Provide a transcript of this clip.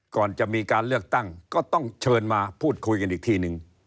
ก่อนจะมีการเลือกตั้งก็ต้องเชิญมาพูดคุยกันอีกทีนึง